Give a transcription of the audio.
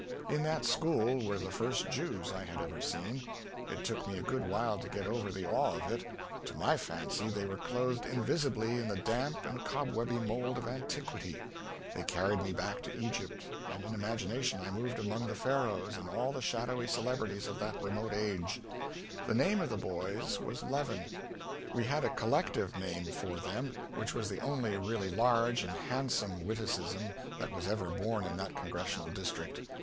In that school were the first Jews I had ever seen. It took me a good while to get over the awe of it. To my fancy they were clothed invisibly in the damp and cobwebby mould of antiquity. They carried me back to Egypt, and in imagination I moved among the Pharaohs and all the shadowy celebrities of that remote age. The name of the boys was Levin. We had a collective name for them which was the only really large and handsome witticism that was ever born in that Congressional district.